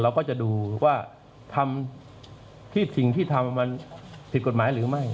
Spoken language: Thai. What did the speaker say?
เราก็จะดูว่าทำที่สิ่งที่ทำมันผิดกฎหมายหรือไม่